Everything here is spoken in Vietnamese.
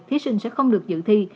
thí sinh sẽ không được dự thi